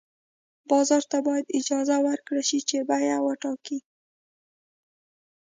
بازار ته باید اجازه ورکړل شي چې بیې وټاکي.